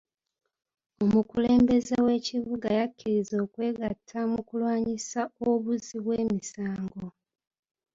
Omukulembeze w'ekibuga yakkirizza okwegatta mu kulwanyisa obuzzi bw'emisango.